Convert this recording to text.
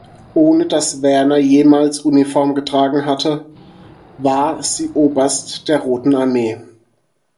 Ohne dass Werner jemals Uniform getragen hatte, war sie Oberst der Roten Armee.